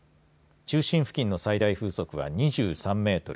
中心付近の最大風速は２３メートル